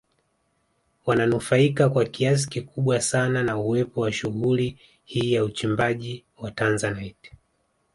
Wananufaika kwa kiasi kikubwa sana na uwepo wa shughuli hii ya uchimbaji wa Tanzanite